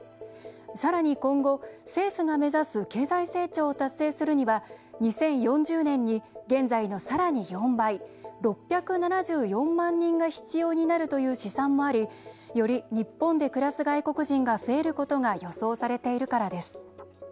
さらに今後、政府が目指す経済成長を達成するには２０４０年に現在の、さらに４倍６７４万人が必要になるという試算もありより日本で暮らす外国人が増えることが予想されているからです。